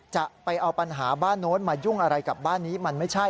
จะเอาปัญหาบ้านโน้นมายุ่งอะไรกับบ้านนี้มันไม่ใช่